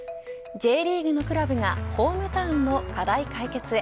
Ｊリーグのクラブがホームタウンの課題解決へ。